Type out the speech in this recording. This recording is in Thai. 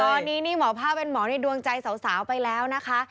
ตอนนี้นี่หมอผ้าเป็นหมอในดวงใจสาวไปแล้วนะคะ